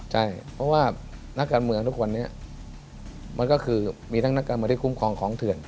ใช่เพราะว่านักการเมืองทุกวันนี้มันก็คือมีทั้งนักการเมืองที่คุ้มครองของเถื่อน